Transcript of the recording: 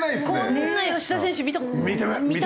こんな吉田選手見たくない。